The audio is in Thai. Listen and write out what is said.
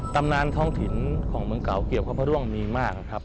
ตำนานท้องถิ่นของเมืองเก่าเกี่ยวกับพระด้วงมีมากนะครับ